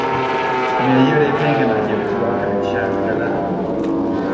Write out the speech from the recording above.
Om jag ger dig pengarna ger du tillbaka mitt kärnrelä.